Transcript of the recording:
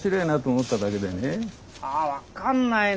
あ分かんないな。